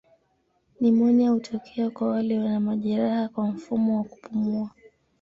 Nimonia hutokea kwa wale wana majeraha kwa mfumo wa kupumua.